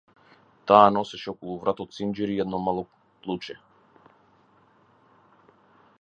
Таа носеше околу вратот синџир и едно мало клуче.